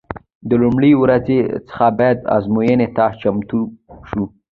د لومړۍ ورځې څخه باید ازموینې ته چمتو شو.